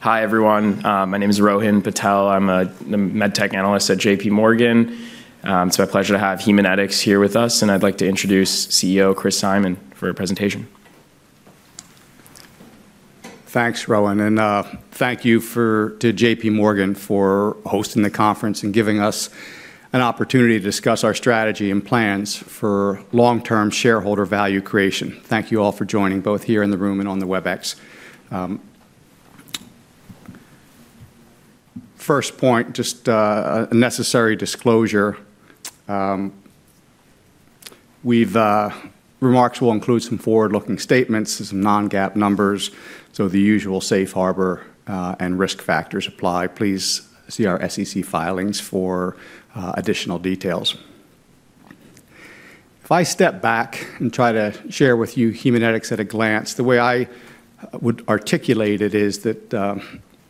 Hi, everyone. My name is Rohan Patel. I'm a medtech analyst at J.P. Morgan. It's my pleasure to have Haemonetics here with us, and I'd like to introduce CEO Chris Simon for a presentation. Thanks, Rohan, and thank you to J.P. Morgan for hosting the conference and giving us an opportunity to discuss our strategy and plans for long-term shareholder value creation. Thank you all for joining, both here in the room and on the Webex. First point, just a necessary disclosure. Our remarks will include some forward-looking statements and some Non-GAAP numbers, so the usual safe harbor and risk factors apply. Please see our SEC filings for additional details. If I step back and try to share with you Haemonetics at a glance, the way I would articulate it is that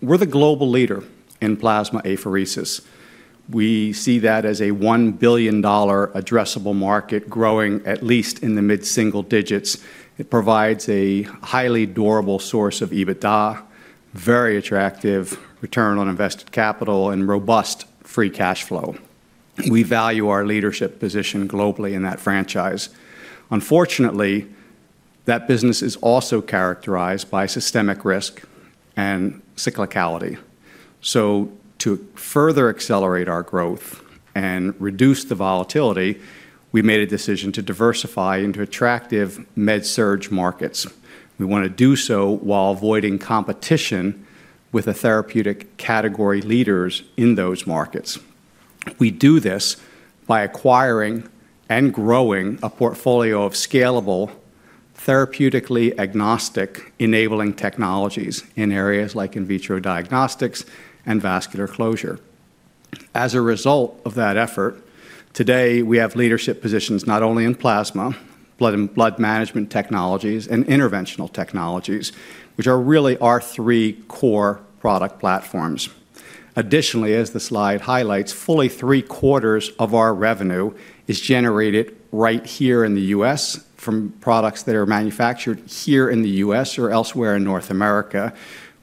we're the global leader in plasma apheresis. We see that as a $1 billion addressable market growing at least in the mid-single digits. It provides a highly durable source of EBITDA, very attractive return on invested capital, and robust free cash flow. We value our leadership position globally in that franchise. Unfortunately, that business is also characterized by systemic risk and cyclicality. So, to further accelerate our growth and reduce the volatility, we made a decision to diversify into attractive MedSurg markets. We want to do so while avoiding competition with the therapeutic category leaders in those markets. We do this by acquiring and growing a portfolio of scalable, therapeutically agnostic, enabling technologies in areas like in vitro diagnostics and vascular closure. As a result of that effort, today we have leadership positions not only in plasma, blood management technologies, and interventional technologies, which are really our three core product platforms. Additionally, as the slide highlights, fully three quarters of our revenue is generated right here in the U.S. from products that are manufactured here in the U.S. or elsewhere in North America,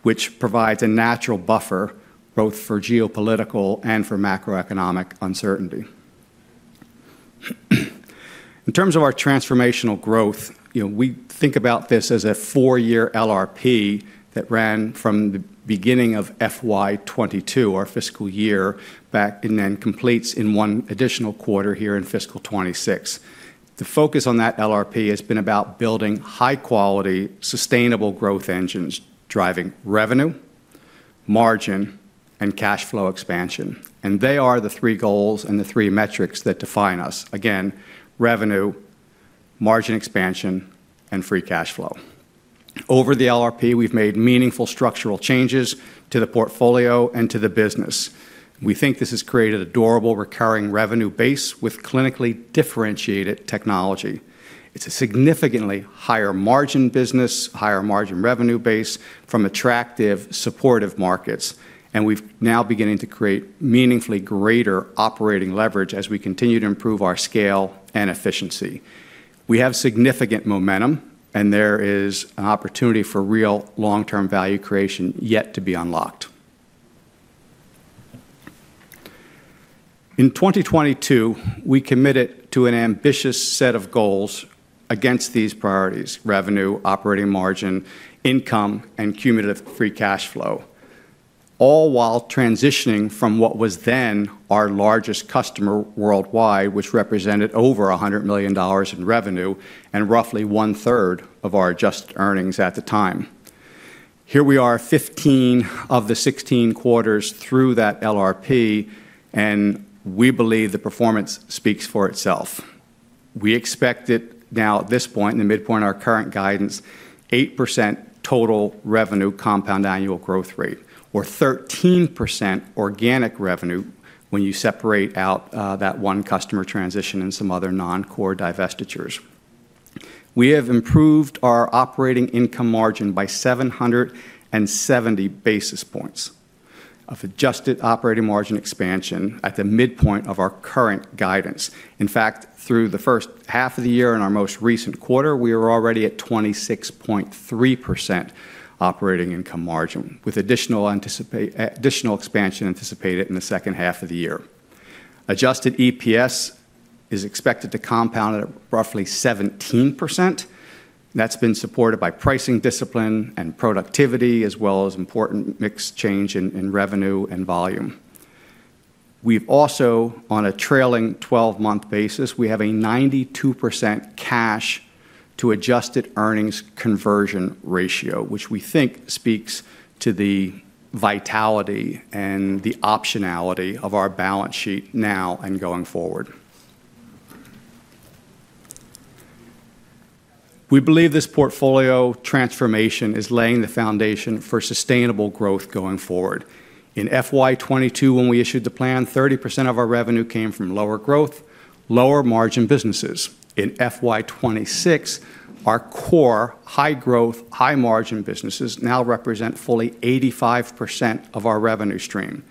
which provides a natural buffer both for geopolitical and for macroeconomic uncertainty. In terms of our transformational growth, we think about this as a four-year LRP that ran from the beginning of FY22, our fiscal year, back and then completes in one additional quarter here in fiscal 26. The focus on that LRP has been about building high-quality, sustainable growth engines driving revenue, margin, and cash flow expansion. They are the three goals and the three metrics that define us. Again, revenue, margin expansion, and free cash flow. Over the LRP, we've made meaningful structural changes to the portfolio and to the business. We think this has created a durable, recurring revenue base with clinically differentiated technology. It's a significantly higher margin business, higher margin revenue base from attractive, supportive markets. We've now beginning to create meaningfully greater operating leverage as we continue to improve our scale and efficiency. We have significant momentum, and there is an opportunity for real long-term value creation yet to be unlocked. In 2022, we committed to an ambitious set of goals against these priorities: revenue, operating margin, income, and cumulative free cash flow, all while transitioning from what was then our largest customer worldwide, which represented over $100 million in revenue and roughly one-third of our adjusted earnings at the time. Here we are, 15 of the 16 quarters through that LRP, and we believe the performance speaks for itself. We expect it now at this point, in the midpoint of our current guidance, 8% total revenue compound annual growth rate, or 13% organic revenue when you separate out that one customer transition and some other non-core divestitures. We have improved our operating income margin by 770 basis points of adjusted operating margin expansion at the midpoint of our current guidance. In fact, through the first half of the year and our most recent quarter, we were already at 26.3% operating income margin, with additional expansion anticipated in the second half of the year. Adjusted EPS is expected to compound at roughly 17%. That's been supported by pricing discipline and productivity, as well as important mix change in revenue and volume. We've also, on a trailing 12-month basis, we have a 92% cash to adjusted earnings conversion ratio, which we think speaks to the vitality and the optionality of our balance sheet now and going forward. We believe this portfolio transformation is laying the foundation for sustainable growth going forward. In FY22, when we issued the plan, 30% of our revenue came from lower growth, lower margin businesses. In FY26, our core high-growth, high-margin businesses now represent fully 85% of our revenue stream.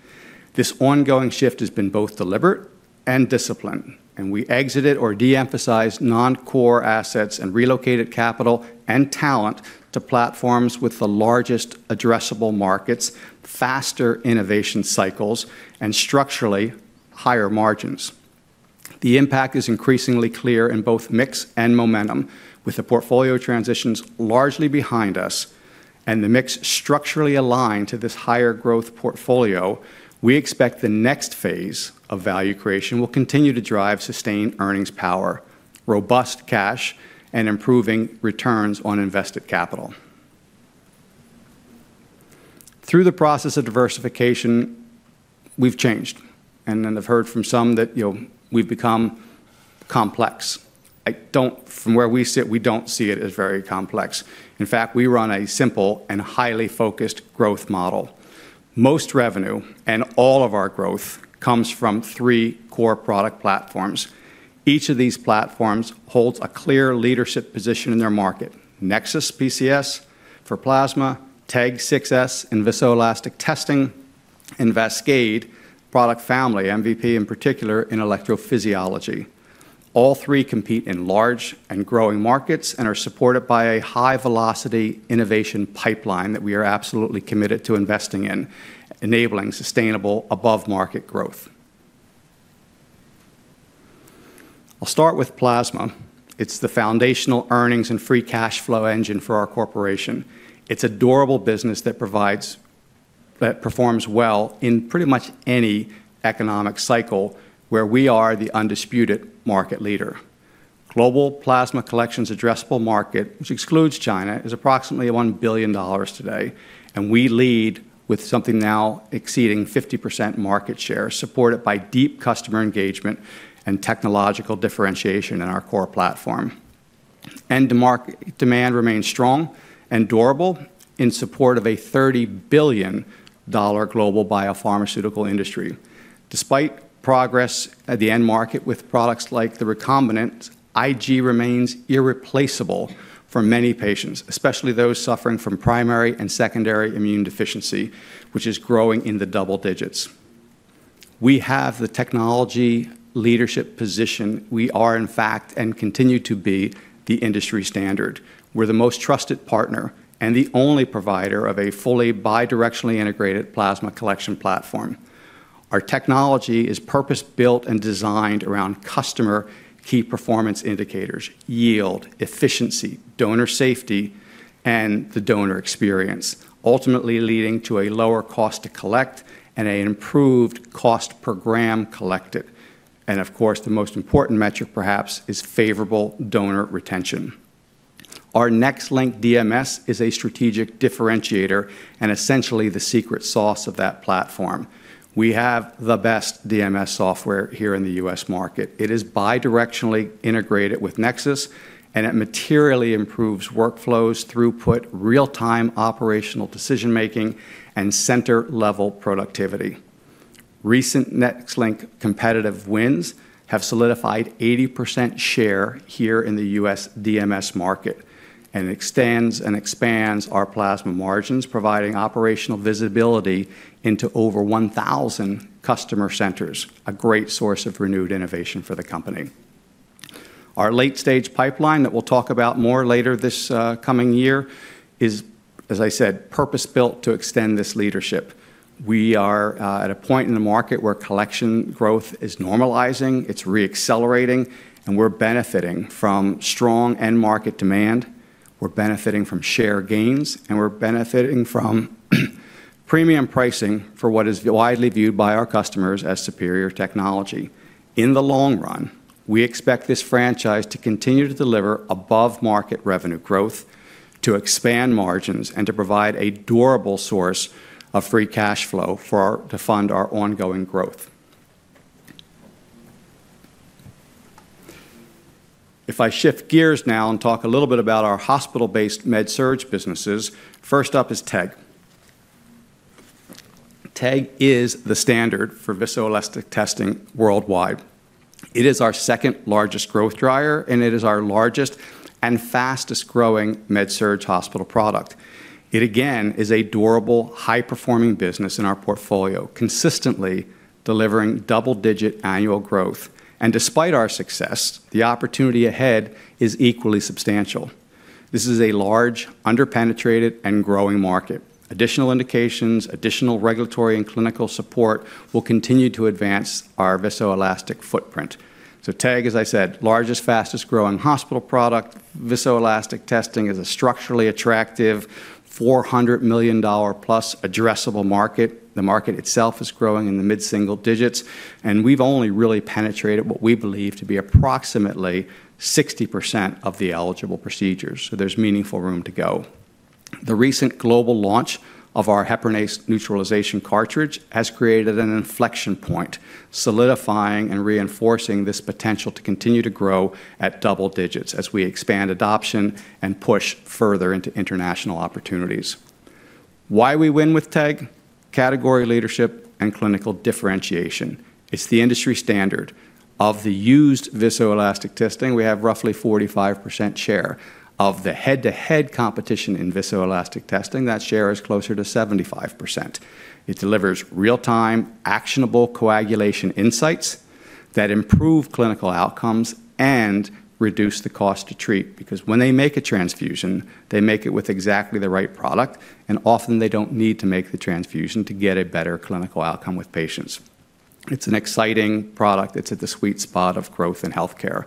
This ongoing shift has been both deliberate and disciplined, and we exited or de-emphasized non-core assets and relocated capital and talent to platforms with the largest addressable markets, faster innovation cycles, and structurally higher margins. The impact is increasingly clear in both mix and momentum. With the portfolio transitions largely behind us and the mix structurally aligned to this higher growth portfolio, we expect the next phase of value creation will continue to drive sustained earnings power, robust cash, and improving returns on invested capital. Through the process of diversification, we've changed. And I've heard from some that we've become complex. From where we sit, we don't see it as very complex. In fact, we run a simple and highly focused growth model. Most revenue and all of our growth comes from three core product platforms. Each of these platforms holds a clear leadership position in their market: NexSys PCS for plasma, TEG 6s in viscoelastic testing, Vascade product family, MVP in particular in electrophysiology. All three compete in large and growing markets and are supported by a high-velocity innovation pipeline that we are absolutely committed to investing in, enabling sustainable above-market growth. I'll start with plasma. It's the foundational earnings and free cash flow engine for our corporation. It's a durable business that performs well in pretty much any economic cycle where we are the undisputed market leader. Global plasma collections addressable market, which excludes China, is approximately $1 billion today. And we lead with something now exceeding 50% market share, supported by deep customer engagement and technological differentiation in our core platform. End-market demand remains strong and durable in support of a $30 billion global biopharmaceutical industry. Despite progress at the end market with products like the recombinant, Ig remains irreplaceable for many patients, especially those suffering from primary and secondary immune deficiency, which is growing in the double digits. We have the technology leadership position. We are, in fact, and continue to be, the industry standard. We're the most trusted partner and the only provider of a fully bi-directionally integrated plasma collection platform. Our technology is purpose-built and designed around customer key performance indicators: yield, efficiency, donor safety, and the donor experience, ultimately leading to a lower cost to collect and an improved cost per gram collected, and of course, the most important metric, perhaps, is favorable donor retention. Our NexLynk DMS is a strategic differentiator and essentially the secret sauce of that platform. We have the best DMS software here in the U.S. market. It is bi-directionally integrated with NexSys, and it materially improves workflows, throughput, real-time operational decision-making, and center-level productivity. Recent NexLynk competitive wins have solidified 80% share here in the U.S. DMS market, and it extends and expands our plasma margins, providing operational visibility into over 1,000 customer centers, a great source of renewed innovation for the company. Our late-stage pipeline that we'll talk about more later this coming year is, as I said, purpose-built to extend this leadership. We are at a point in the market where collection growth is normalizing, it's re-accelerating, and we're benefiting from strong end-market demand. We're benefiting from share gains, and we're benefiting from premium pricing for what is widely viewed by our customers as superior technology. In the long run, we expect this franchise to continue to deliver above-market revenue growth, to expand margins, and to provide a durable source of free cash flow to fund our ongoing growth. If I shift gears now and talk a little bit about our hospital-based MedSurg businesses, first up is TEG. TEG is the standard for viscoelastic testing worldwide. It is our second-largest growth driver, and it is our largest and fastest-growing MedSurg hospital product. It, again, is a durable, high-performing business in our portfolio, consistently delivering double-digit annual growth, and despite our success, the opportunity ahead is equally substantial. This is a large, under-penetrated, and growing market. Additional indications, additional regulatory and clinical support will continue to advance our viscoelastic footprint, so TEG, as I said, largest, fastest-growing hospital product. Viscoelastic testing is a structurally attractive $400 million-plus addressable market. The market itself is growing in the mid-single digits, and we've only really penetrated what we believe to be approximately 60% of the eligible procedures, so there's meaningful room to go. The recent global launch of our heparinase neutralization cartridge has created an inflection point, solidifying and reinforcing this potential to continue to grow at double digits as we expand adoption and push further into international opportunities. Why we win with TEG? Category leadership and clinical differentiation. It's the industry standard. Of the used viscoelastic testing, we have roughly 45% share. Of the head-to-head competition in viscoelastic testing, that share is closer to 75%. It delivers real-time, actionable coagulation insights that improve clinical outcomes and reduce the cost to treat because when they make a transfusion, they make it with exactly the right product, and often they don't need to make the transfusion to get a better clinical outcome with patients. It's an exciting product that's at the sweet spot of growth in healthcare.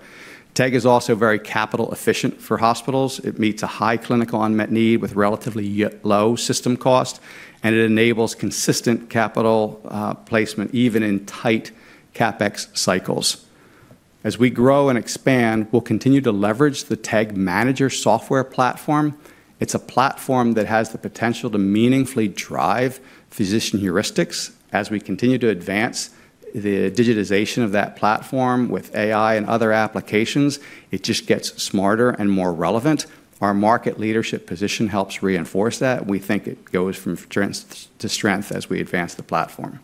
TEG is also very capital-efficient for hospitals. It meets a high clinical unmet need with relatively low system cost, and it enables consistent capital placement even in tight CapEx cycles. As we grow and expand, we'll continue to leverage the TEG Manager software platform. It's a platform that has the potential to meaningfully drive physician heuristics. As we continue to advance the digitization of that platform with AI and other applications, it just gets smarter and more relevant. Our market leadership position helps reinforce that, and we think it goes from strength to strength as we advance the platform.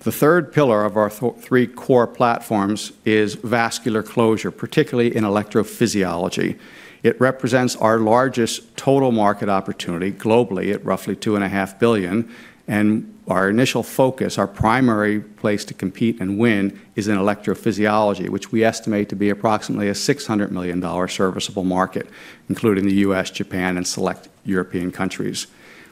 The third pillar of our three core platforms is vascular closure, particularly in electrophysiology. It represents our largest total market opportunity globally at roughly $2.5 billion, and our initial focus, our primary place to compete and win, is in electrophysiology, which we estimate to be approximately a $600 million serviceable market, including the U.S., Japan, and select European countries.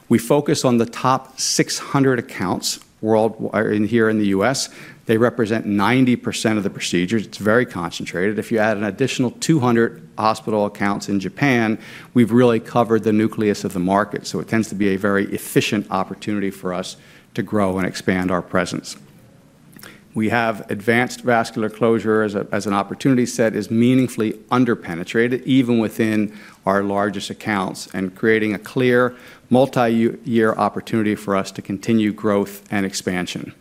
We focus on the top 600 accounts here in the U.S. They represent 90% of the procedures. It's very concentrated. If you add an additional 200 hospital accounts in Japan, we've really covered the nucleus of the market, so it tends to be a very efficient opportunity for us to grow and expand our presence. We have advanced vascular closure as an opportunity set that is meaningfully under-penetrated, even within our largest accounts, and creating a clear multi-year opportunity for us to continue growth and expansion.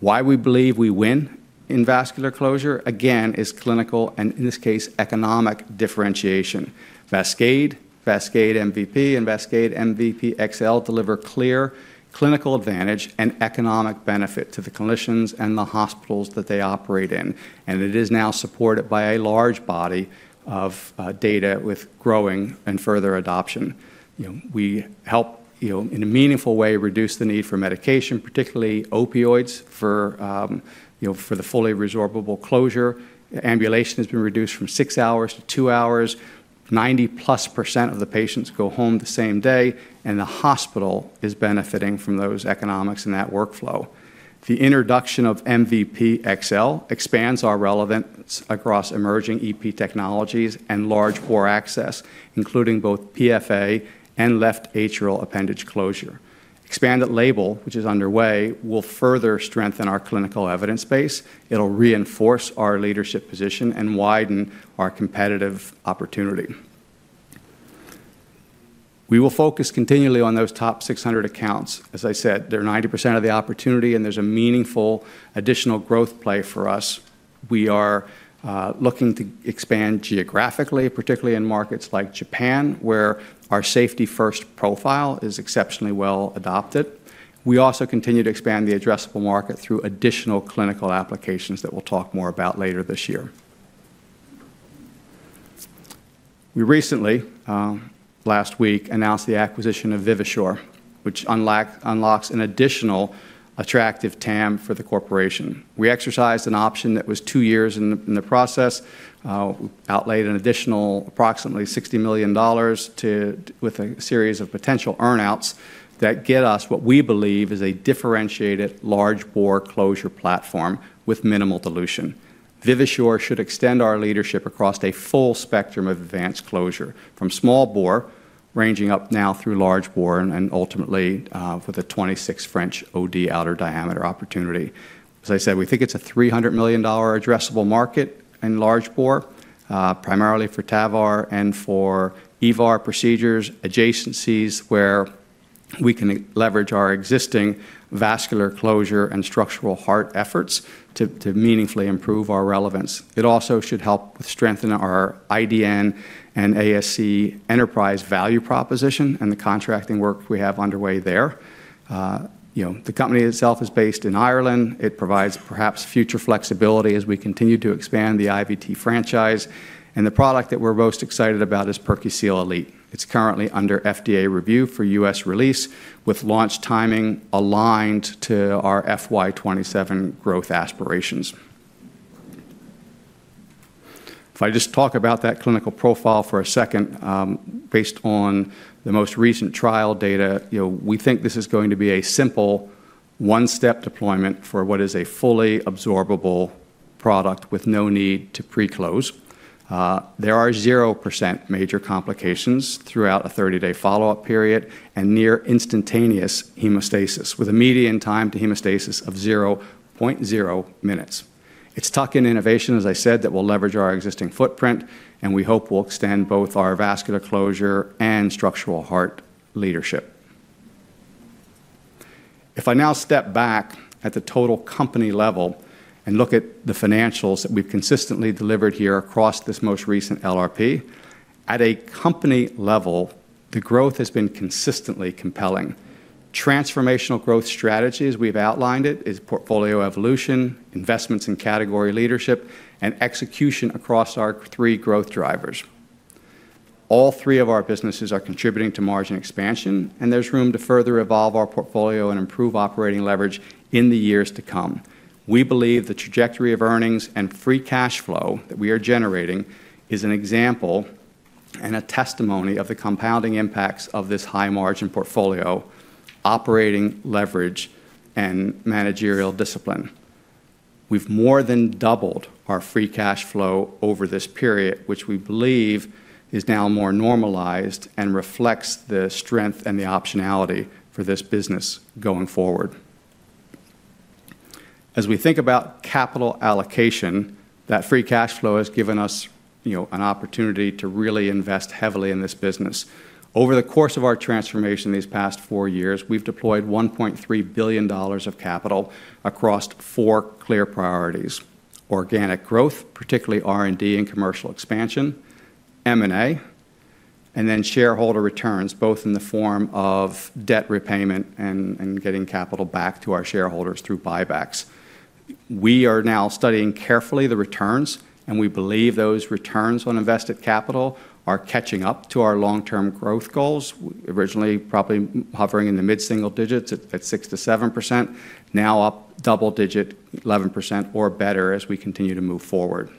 Why we believe we win in vascular closure, again, is clinical and, in this case, economic differentiation. Vascade, Vascade MVP, and Vascade MVP XL deliver clear clinical advantage and economic benefit to the clinicians and the hospitals that they operate in, and it is now supported by a large body of data with growing and further adoption. We help, in a meaningful way, reduce the need for medication, particularly opioids, for the fully resorbable closure. Ambulation has been reduced from six hours to two hours. 90-plus% of the patients go home the same day, and the hospital is benefiting from those economics and that workflow. The introduction of MVP XL expands our relevance across emerging EP technologies and large core access, including both PFA and left atrial appendage closure. Expanded label, which is underway, will further strengthen our clinical evidence base. It'll reinforce our leadership position and widen our competitive opportunity. We will focus continually on those top 600 accounts. As I said, they're 90% of the opportunity, and there's a meaningful additional growth play for us. We are looking to expand geographically, particularly in markets like Japan, where our safety-first profile is exceptionally well adopted. We also continue to expand the addressable market through additional clinical applications that we'll talk more about later this year. We recently, last week, announced the acquisition of Vivasure, which unlocks an additional attractive TAM for the corporation. We exercised an option that was two years in the process, outlayed an additional approximately $60 million with a series of potential earnouts that get us what we believe is a differentiated large bore closure platform with minimal dilution. Vivasure should extend our leadership across a full spectrum of advanced closure, from small bore, ranging up now through large bore, and ultimately with a 26 French OD outer diameter opportunity. As I said, we think it's a $300 million addressable market in large bore, primarily for TAVR and for EVAR procedures, adjacencies where we can leverage our existing vascular closure and structural heart efforts to meaningfully improve our relevance. It also should help strengthen our IDN and ASC enterprise value proposition and the contracting work we have underway there. The company itself is based in Ireland. It provides perhaps future flexibility as we continue to expand the IVT franchise. And the product that we're most excited about is PerQseal Elite. It's currently under FDA review for U.S. release, with launch timing aligned to our FY27 growth aspirations. If I just talk about that clinical profile for a second, based on the most recent trial data, we think this is going to be a simple one-step deployment for what is a fully absorbable product with no need to pre-close. There are 0% major complications throughout a 30-day follow-up period and near instantaneous hemostasis, with a median time to hemostasis of 0.0 minutes. It's tuck-in innovation, as I said, that will leverage our existing footprint, and we hope we'll extend both our vascular closure and structural heart leadership. If I now step back at the total company level and look at the financials that we've consistently delivered here across this most recent LRP, at a company level, the growth has been consistently compelling. Transformational growth strategies, we've outlined it, is portfolio evolution, investments in category leadership, and execution across our three growth drivers. All three of our businesses are contributing to margin expansion, and there's room to further evolve our portfolio and improve operating leverage in the years to come. We believe the trajectory of earnings and free cash flow that we are generating is an example and a testimony of the compounding impacts of this high-margin portfolio, operating leverage, and managerial discipline. We've more than doubled our free cash flow over this period, which we believe is now more normalized and reflects the strength and the optionality for this business going forward. As we think about capital allocation, that free cash flow has given us an opportunity to really invest heavily in this business. Over the course of our transformation these past four years, we've deployed $1.3 billion of capital across four clear priorities: organic growth, particularly R&D and commercial expansion, M&A, and then shareholder returns, both in the form of debt repayment and getting capital back to our shareholders through buybacks. We are now studying carefully the returns, and we believe those returns on invested capital are catching up to our long-term growth goals, originally probably hovering in the mid-single digits at 6%-7%, now up double-digit 11% or better as we continue to move forward.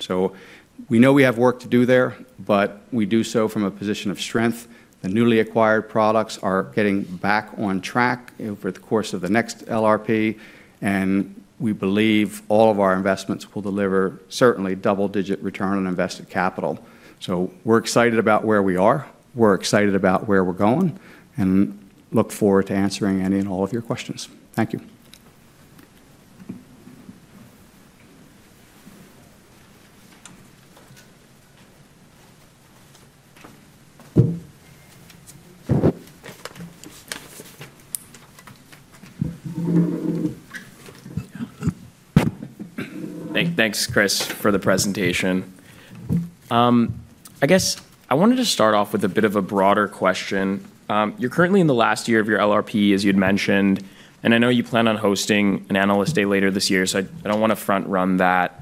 We know we have work to do there, but we do so from a position of strength. The newly acquired products are getting back on track over the course of the next LRP, and we believe all of our investments will deliver certainly double-digit return on invested capital. So we're excited about where we are. We're excited about where we're going, and look forward to answering any and all of your questions. Thank you. Thanks, Chris, for the presentation. I guess I wanted to start off with a bit of a broader question. You're currently in the last year of your LRP, as you'd mentioned, and I know you plan on hosting an analyst day later this year, so I don't want to front-run that.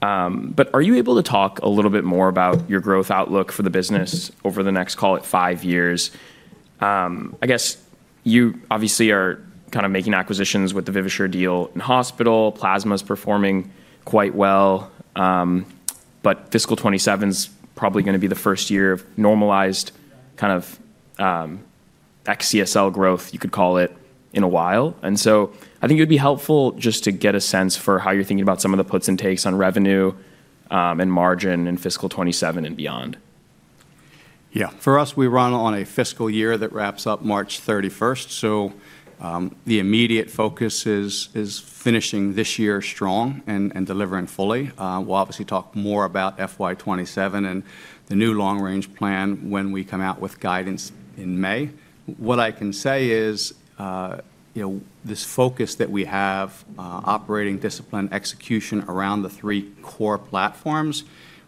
But are you able to talk a little bit more about your growth outlook for the business over the next, call it, five years? I guess you obviously are kind of making acquisitions with the Vivasure deal in hospital. Plasma's performing quite well, but fiscal 2027's probably going to be the first year of normalized kind of ex-CSL growth, you could call it, in a while. And so I think it would be helpful just to get a sense for how you're thinking about some of the puts and takes on revenue and margin in fiscal 2027 and beyond. Yeah. For us, we run on a fiscal year that wraps up March 31st. So the immediate focus is finishing this year strong and delivering fully. We'll obviously talk more about FY 2027 and the new long-range plan when we come out with guidance in May. What I can say is this focus that we have, operating discipline, execution, around the three core platforms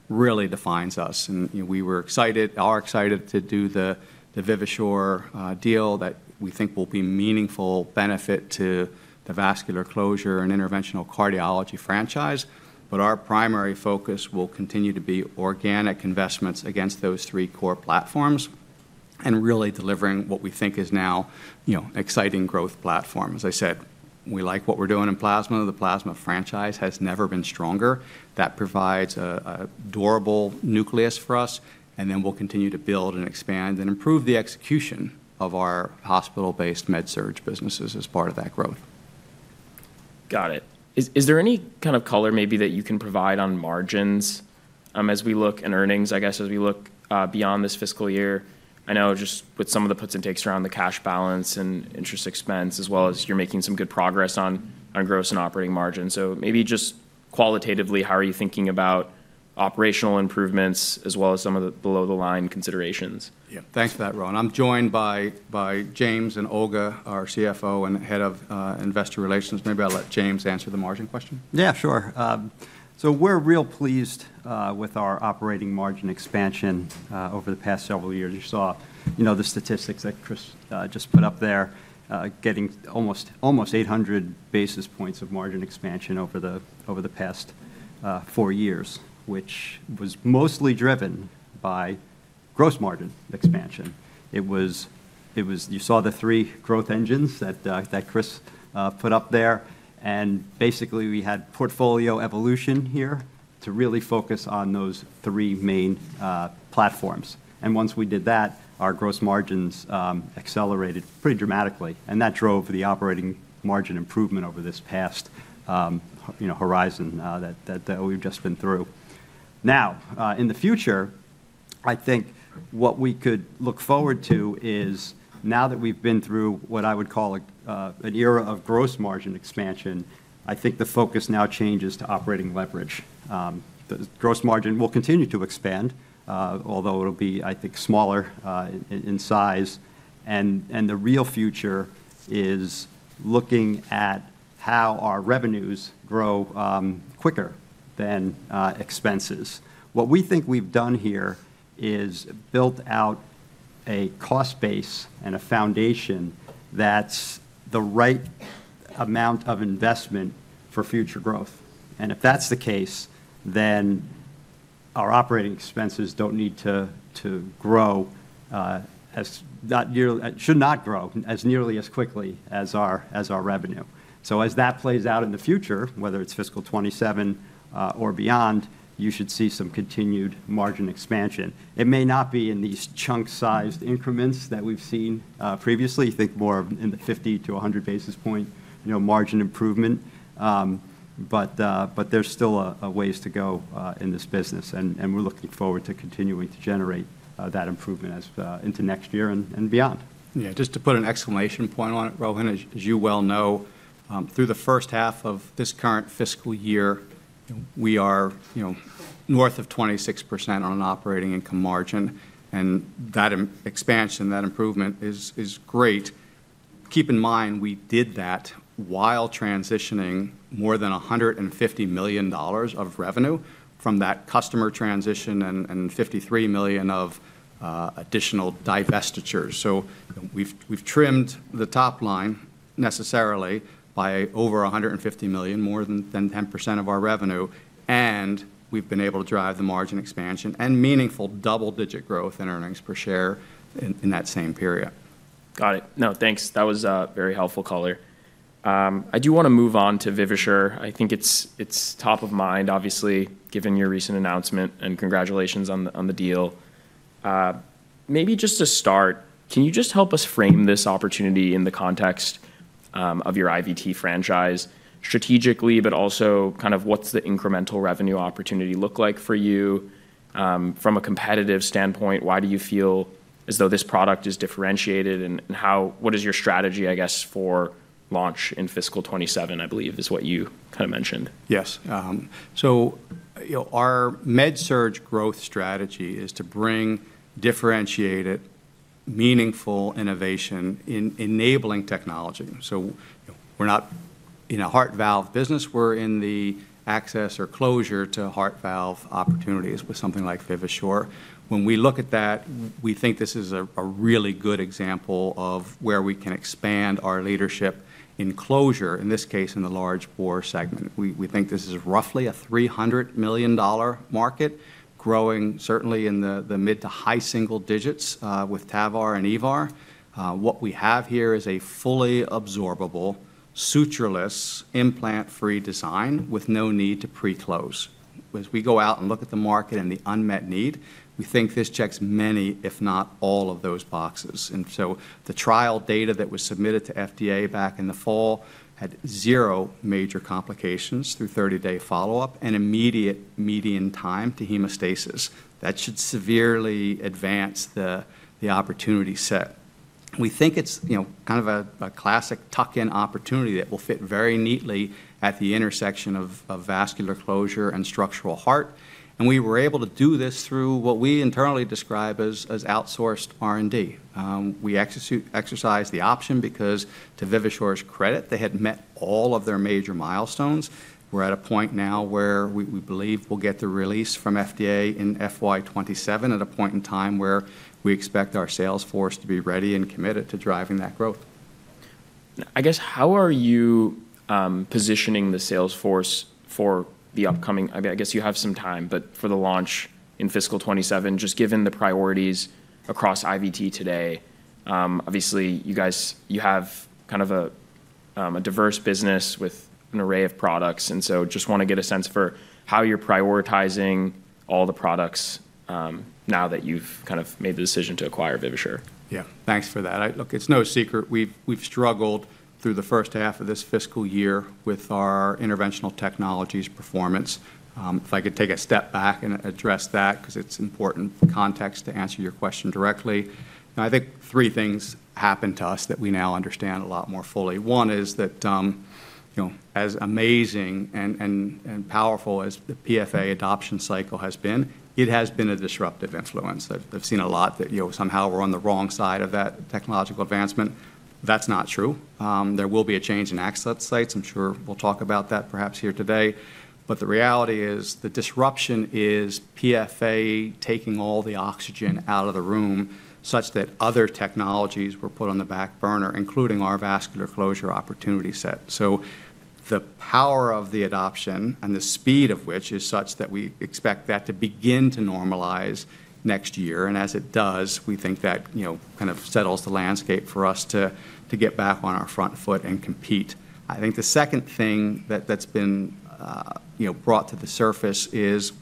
really defines us. And we were excited, are excited to do the Vivasure deal that we think will be a meaningful benefit to the vascular closure and interventional cardiology franchise. But our primary focus will continue to be organic investments against those three core platforms and really delivering what we think is now an exciting growth platform. As I said, we like what we're doing in plasma. The plasma franchise has never been stronger. That provides a durable nucleus for us. And then we'll continue to build and expand and improve the execution of our hospital-based MedSurg businesses as part of that growth. Got it. Is there any kind of color maybe that you can provide on margins as we look in earnings, I guess, as we look beyond this fiscal year? I know just with some of the puts and takes around the cash balance and interest expense, as well as you're making some good progress on gross and operating margin. So maybe just qualitatively, how are you thinking about operational improvements as well as some of the below-the-line considerations? Yeah. Thanks for that, Rohan. I'm joined by James and Olga, our CFO and head of investor relations. Maybe I'll let James answer the margin question. Yeah, sure. So we're real pleased with our operating margin expansion over the past several years. You saw the statistics that Chris just put up there, getting almost 800 basis points of margin expansion over the past four years, which was mostly driven by gross margin expansion. You saw the three growth engines that Chris put up there. And basically, we had portfolio evolution here to really focus on those three main platforms. Once we did that, our gross margins accelerated pretty dramatically. That drove the operating margin improvement over this past horizon that we've just been through. Now, in the future, I think what we could look forward to is now that we've been through what I would call an era of gross margin expansion, I think the focus now changes to operating leverage. The gross margin will continue to expand, although it'll be, I think, smaller in size. The real future is looking at how our revenues grow quicker than expenses. What we think we've done here is built out a cost base and a foundation that's the right amount of investment for future growth. If that's the case, then our operating expenses should not grow nearly as quickly as our revenue. So as that plays out in the future, whether it's fiscal 2027 or beyond, you should see some continued margin expansion. It may not be in these chunk-sized increments that we've seen previously. You think more in the 50-100 basis point margin improvement. But there's still a ways to go in this business. And we're looking forward to continuing to generate that improvement into next year and beyond. Yeah. Just to put an exclamation point on it, Rohan, as you well know, through the first half of this current fiscal year, we are north of 26% on an operating income margin. And that expansion, that improvement is great. Keep in mind, we did that while transitioning more than $150 million of revenue from that customer transition and $53 million of additional divestitures. So we've trimmed the top line necessarily by over $150 million, more than 10% of our revenue. And we've been able to drive the margin expansion and meaningful double-digit growth in earnings per share in that same period. Got it. No, thanks. That was very helpful, color. I do want to move on to Vivasure. I think it's top of mind, obviously, given your recent announcement and congratulations on the deal. Maybe just to start, can you just help us frame this opportunity in the context of your IVT franchise strategically, but also kind of what's the incremental revenue opportunity look like for you from a competitive standpoint? Why do you feel as though this product is differentiated? And what is your strategy, I guess, for launch in fiscal 2027, I believe, is what you kind of mentioned. Yes. Our MedSurg growth strategy is to bring differentiated, meaningful innovation in enabling technology. We're not in a heart valve business. We're in the access or closure to heart valve opportunities with something like Vivasure. When we look at that, we think this is a really good example of where we can expand our leadership in closure, in this case, in the large bore segment. We think this is roughly a $300 million market, growing certainly in the mid- to high-single digits with TAVR and EVAR. What we have here is a fully absorbable, sutureless, implant-free design with no need to pre-close. As we go out and look at the market and the unmet need, we think this checks many, if not all, of those boxes. And so the trial data that was submitted to FDA back in the fall had zero major complications through 30-day follow-up and immediate median time to hemostasis. That should severely advance the opportunity set. We think it's kind of a classic tuck-in opportunity that will fit very neatly at the intersection of vascular closure and structural heart. And we were able to do this through what we internally describe as outsourced R&D. We exercise the option because, to Vivasure's credit, they had met all of their major milestones. We're at a point now where we believe we'll get the release from FDA in FY27 at a point in time where we expect our sales force to be ready and committed to driving that growth. I guess, how are you positioning the sales force for the upcoming, I guess you have some time, but for the launch in fiscal 2027, just given the priorities across IVT today? Obviously, you have kind of a diverse business with an array of products. And so just want to get a sense for how you're prioritizing all the products now that you've kind of made the decision to acquire Vivasure. Yeah. Thanks for that. Look, it's no secret. We've struggled through the first half of this fiscal year with our interventional technologies performance. If I could take a step back and address that because it's important context to answer your question directly. I think three things happened to us that we now understand a lot more fully. One is that as amazing and powerful as the PFA adoption cycle has been, it has been a disruptive influence. I've seen a lot that somehow we're on the wrong side of that technological advancement. That's not true. There will be a change in access sites. I'm sure we'll talk about that perhaps here today. But the reality is the disruption is PFA taking all the oxygen out of the room such that other technologies were put on the back burner, including our vascular closure opportunity set. So the power of the adoption and the speed of which is such that we expect that to begin to normalize next year. And as it does, we think that kind of settles the landscape for us to get back on our front foot and compete. I think the second thing that's been brought to the surface is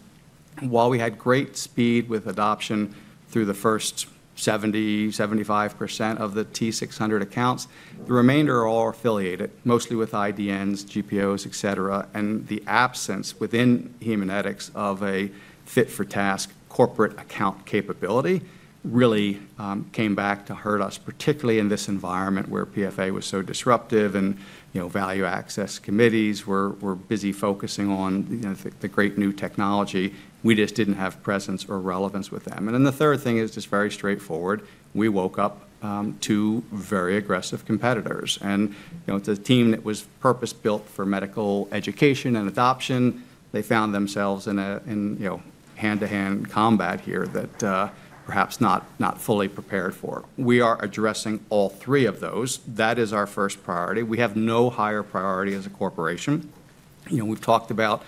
while we had great speed with adoption through the first 70%-75% of the top 600 accounts, the remainder are all affiliated, mostly with IDNs, GPOs, etc. And the absence within Haemonetics of a fit-for-task corporate account capability really came back to hurt us, particularly in this environment where PFA was so disruptive and value access committees were busy focusing on the great new technology. We just didn't have presence or relevance with them. And then the third thing is just very straightforward. We woke up to very aggressive competitors. And it's a team that was purpose-built for medical education and adoption. They found themselves in hand-to-hand combat here that perhaps not fully prepared for. We are addressing all three of those. That is our first priority. We have no higher priority as a corporation. We've talked about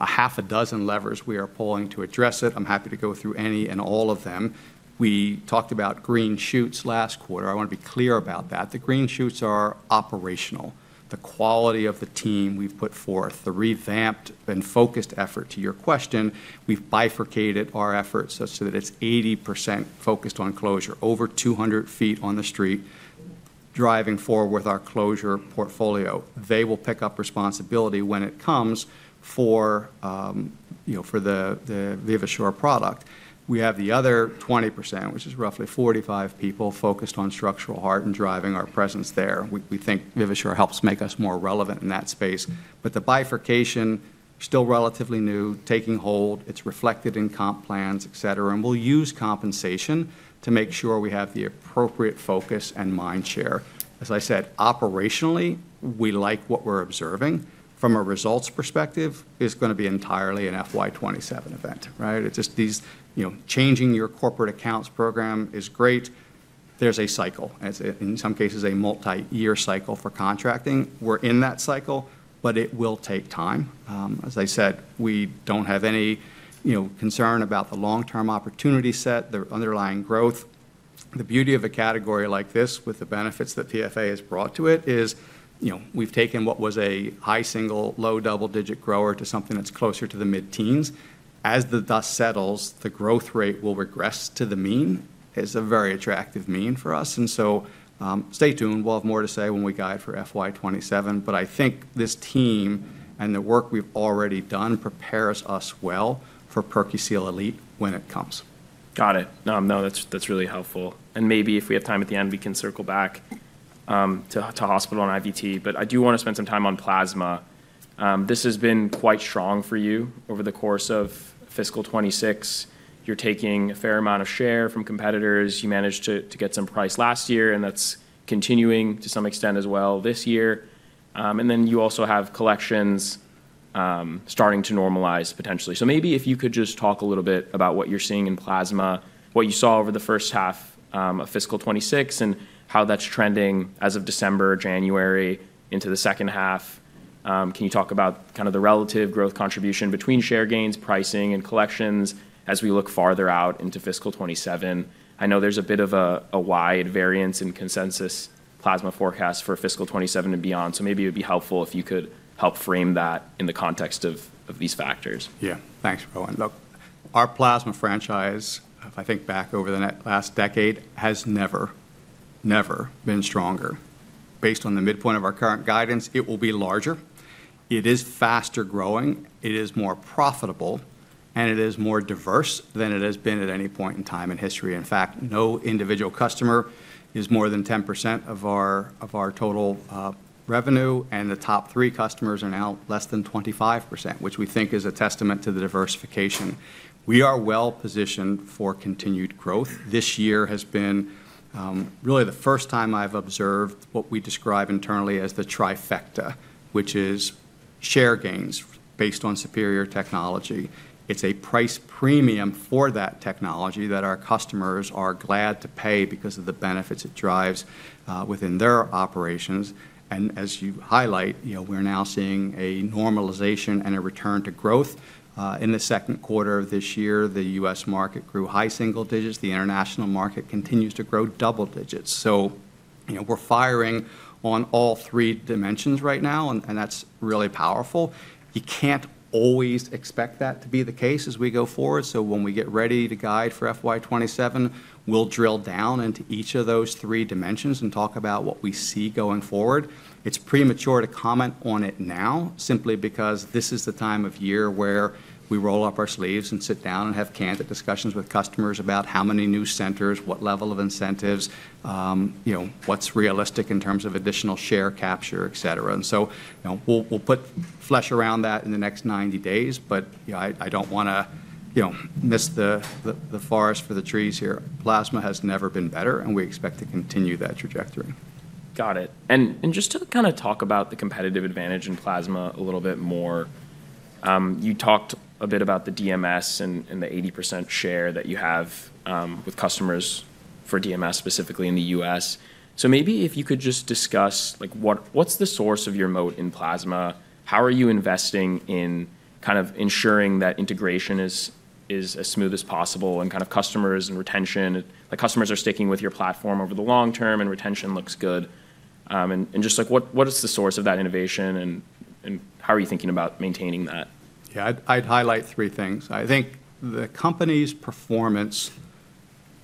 half a dozen levers we are pulling to address it. I'm happy to go through any and all of them. We talked about green shoots last quarter. I want to be clear about that. The green shoots are operational. The quality of the team we've put forth, the revamped and focused effort. To your question, we've bifurcated our efforts such that it's 80% focused on closure, over 200 feet on the street, driving forward with our closure portfolio. They will pick up responsibility when it comes for the Vivasure product. We have the other 20%, which is roughly 45 people focused on structural heart and driving our presence there. We think Vivasure helps make us more relevant in that space, but the bifurcation is still relatively new, taking hold. It's reflected in comp plans, etc. We'll use compensation to make sure we have the appropriate focus and mind share. As I said, operationally, we like what we're observing. From a results perspective, it's going to be entirely an FY27 event, right? It's just these changing your corporate accounts program is great. There's a cycle, in some cases, a multi-year cycle for contracting. We're in that cycle, but it will take time. As I said, we don't have any concern about the long-term opportunity set, the underlying growth. The beauty of a category like this with the benefits that PFA has brought to it is we've taken what was a high single, low double-digit grower to something that's closer to the mid-teens. As the dust settles, the growth rate will regress to the mean. It's a very attractive mean for us. So stay tuned. We'll have more to say when we guide for FY27. But I think this team and the work we've already done prepares us well for PerQseal Elite when it comes. Got it. No, that's really helpful. And maybe if we have time at the end, we can circle back to Hospital and IVT. But I do want to spend some time on plasma. This has been quite strong for you over the course of fiscal 2026. You're taking a fair amount of share from competitors. You managed to get some price last year, and that's continuing to some extent as well this year. And then you also have collections starting to normalize potentially. So maybe if you could just talk a little bit about what you're seeing in plasma, what you saw over the first half of fiscal 2026, and how that's trending as of December, January into the second half. Can you talk about kind of the relative growth contribution between share gains, pricing, and collections as we look farther out into fiscal 2027? I know there's a bit of a wide variance in consensus plasma forecast for fiscal 2027 and beyond. So maybe it would be helpful if you could help frame that in the context of these factors. Yeah. Thanks, Rohan. Look, our plasma franchise, if I think back over the last decade, has never, never been stronger. Based on the midpoint of our current guidance, it will be larger. It is faster growing. It is more profitable, and it is more diverse than it has been at any point in time in history. In fact, no individual customer is more than 10% of our total revenue. And the top three customers are now less than 25%, which we think is a testament to the diversification. We are well positioned for continued growth. This year has been really the first time I've observed what we describe internally as the trifecta, which is share gains based on superior technology. It's a price premium for that technology that our customers are glad to pay because of the benefits it drives within their operations, and as you highlight, we're now seeing a normalization and a return to growth. In the second quarter of this year, the U.S. market grew high single digits. The international market continues to grow double digits, so we're firing on all three dimensions right now, and that's really powerful. You can't always expect that to be the case as we go forward, so when we get ready to guide for FY27, we'll drill down into each of those three dimensions and talk about what we see going forward. It's premature to comment on it now simply because this is the time of year where we roll up our sleeves and sit down and have candid discussions with customers about how many new centers, what level of incentives, what's realistic in terms of additional share capture, etc. And so we'll put flesh around that in the next 90 days. But I don't want to miss the forest for the trees here. Plasma has never been better, and we expect to continue that trajectory. Got it. And just to kind of talk about the competitive advantage in plasma a little bit more, you talked a bit about the DMS and the 80% share that you have with customers for DMS specifically in the U.S. So maybe if you could just discuss what's the source of your moat in plasma? How are you investing in kind of ensuring that integration is as smooth as possible and kind of customers and retention? Customers are sticking with your platform over the long term and retention looks good. Just what is the source of that innovation and how are you thinking about maintaining that? Yeah, I'd highlight three things. I think the company's performance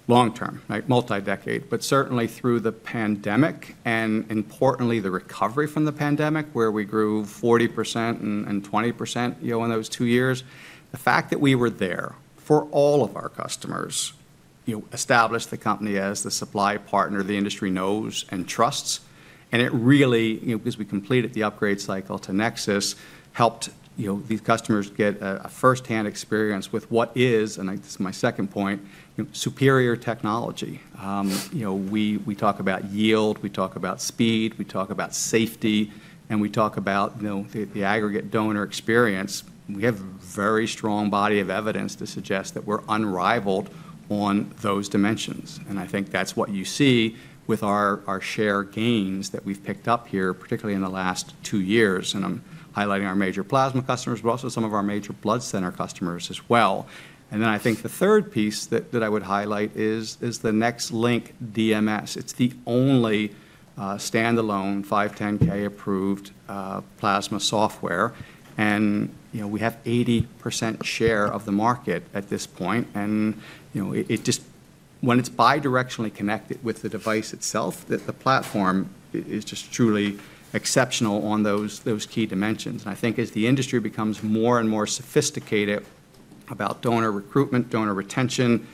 long term, multi-decade, but certainly through the pandemic and importantly, the recovery from the pandemic where we grew 40% and 20% in those two years. The fact that we were there for all of our customers established the company as the supply partner the industry knows and trusts. And it really, because we completed the upgrade cycle to NexSys, helped these customers get a firsthand experience with what is, and this is my second point, superior technology. We talk about yield. We talk about speed. We talk about safety and we talk about the aggregate donor experience. We have a very strong body of evidence to suggest that we're unrivaled on those dimensions. I think that's what you see with our share gains that we've picked up here, particularly in the last two years. I'm highlighting our major plasma customers, but also some of our major blood center customers as well. Then I think the third piece that I would highlight is the NexLynk DMS. It's the only standalone 510(k) approved plasma software. We have 80% share of the market at this point. When it's bidirectionally connected with the device itself, the platform is just truly exceptional on those key dimensions. And I think as the industry becomes more and more sophisticated about donor recruitment, donor retention,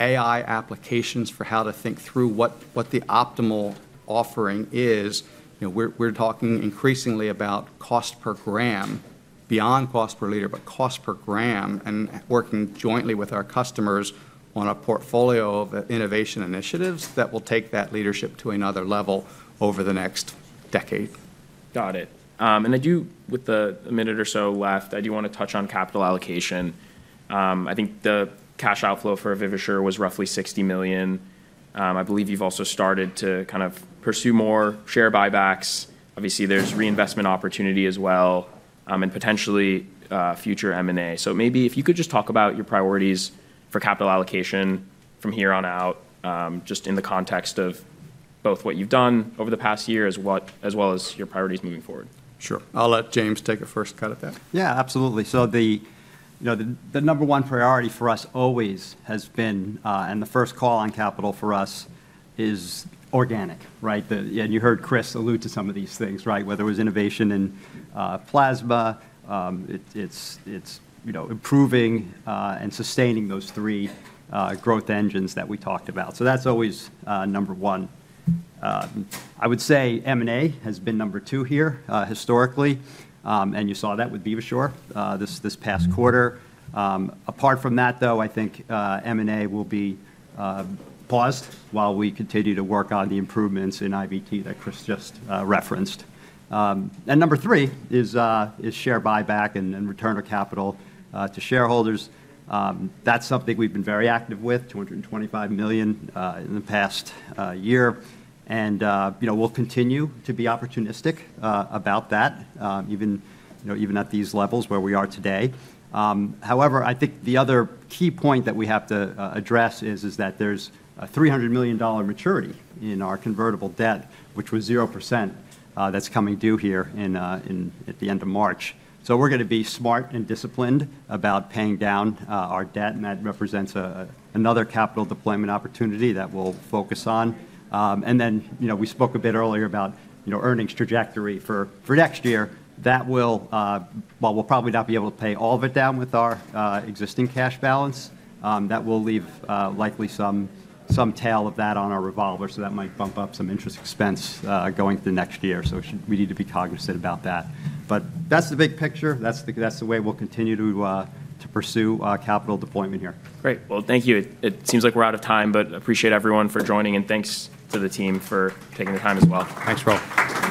AI applications for how to think through what the optimal offering is, we're talking increasingly about cost per gram, beyond cost per liter, but cost per gram, and working jointly with our customers on a portfolio of innovation initiatives that will take that leadership to another level over the next decade. Got it. And with the minute or so left, I do want to touch on capital allocation. I think the cash outflow for Vivasure was roughly $60 million. I believe you've also started to kind of pursue more share buybacks. Obviously, there's reinvestment opportunity as well and potentially future M&A. So maybe if you could just talk about your priorities for capital allocation from here on out, just in the context of both what you've done over the past year as well as your priorities moving forward. Sure. I'll let James take a first cut at that. Yeah, absolutely. So the number one priority for us always has been, and the first call on capital for us is organic, right? And you heard Chris allude to some of these things, right? Whether it was innovation and plasma, it's improving and sustaining those three growth engines that we talked about. So that's always number one. I would say M&A has been number two here historically. And you saw that with Vivasure this past quarter. Apart from that, though, I think M&A will be paused while we continue to work on the improvements in IVT that Chris just referenced. Number three is share buyback and return of capital to shareholders. That's something we've been very active with, $225 million in the past year. And we'll continue to be opportunistic about that, even at these levels where we are today. However, I think the other key point that we have to address is that there's a $300 million maturity in our convertible debt, which was 0%, that's coming due here at the end of March. So we're going to be smart and disciplined about paying down our debt. And that represents another capital deployment opportunity that we'll focus on. And then we spoke a bit earlier about earnings trajectory for next year. That will, while we'll probably not be able to pay all of it down with our existing cash balance, that will leave likely some tail of that on our revolver. So that might bump up some interest expense going through next year. So we need to be cognizant about that. But that's the big picture. That's the way we'll continue to pursue capital deployment here. Great. Well, thank you. It seems like we're out of time, but appreciate everyone for joining. And thanks to the team for taking the time as well. Thanks, Rohan.